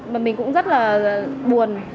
mà mình cũng rất là buồn